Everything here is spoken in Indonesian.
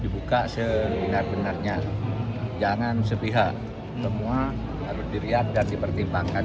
dibuka sebenar benarnya jangan sepihak semua harus dilihat dan dipertimbangkan